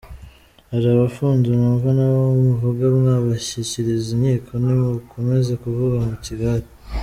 Hari abafunze, numva n’abo muvuga mwabashyikiriza inkiko ntimukomeza kuvuga mu kigare.